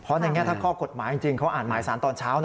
เพราะในแง่ถ้าข้อกฎหมายจริงเขาอ่านหมายสารตอนเช้า